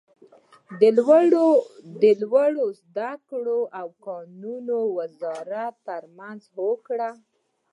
د لوړو ذده کړو او کانونو وزارتونو تر مینځ هوکړه